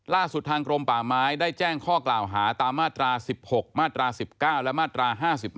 ล่าสุดทางกรมป่าไม้ได้แจ้งข้อกล่าวหาตามมาตรา๑๖มาตรา๑๙และมาตรา๕๕